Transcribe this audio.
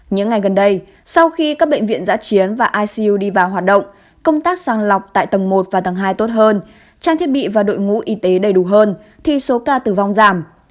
những ngày gần đây sau khi các bệnh viện giã chiến và icu đi vào hoạt động công tác sang lọc tại tầng một và tầng hai tốt hơn trang thiết bị và đội ngũ y tế đầy đủ hơn thì số ca tử vong giảm